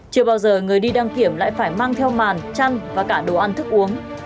chưa bao giờ người đi đăng kiểm lại phải mang theo màn chăn và cả đồ ăn thức uống